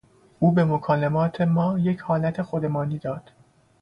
او به مکالمات ما یک حالت خودمانی داد.